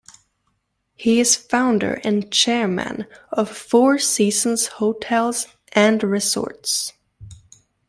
He is founder and chairman of Four Seasons Hotels and Resorts.